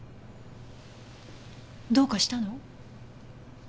どうかしたの？